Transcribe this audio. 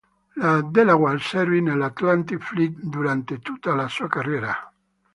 La "Delaware" servì nell'Atlantic Fleet durante tutta la sua carriera.